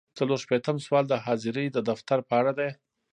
څلور شپیتم سوال د حاضرۍ د دفتر په اړه دی.